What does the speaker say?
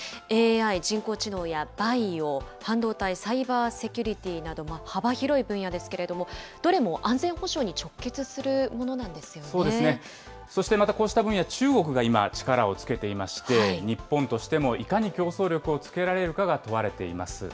ＡＩ・人工知能やバイオ、半導体、サイバーセキュリティなど、幅広い分野ですけれども、どれも安全そうですね、そしてまたこうした分野、中国が今、力をつけていまして、日本としてもいかに競争力をつけられるかが問われています。